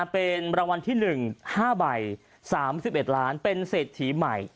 เป็นรางวัลที่๑๕ใบ๓๑ล้านเป็นเศรษฐีใหม่